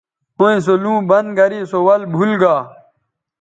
ھویں سو لُوں بند گرے سو ول بُھول گا